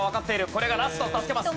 これがラストの助けマス。